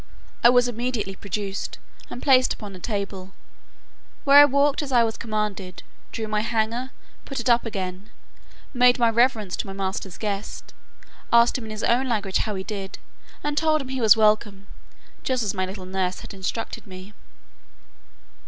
I was immediately produced, and placed upon a table, where I walked as I was commanded, drew my hanger, put it up again, made my reverence to my master's guest, asked him in his own language how he did, and told him he was welcome, just as my little nurse had instructed me.